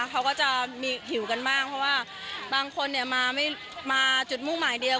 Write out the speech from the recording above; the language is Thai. เขาก็จะมีหิวกันบ้างเพราะว่าบางคนมาจุดมุ่งหมายเดียว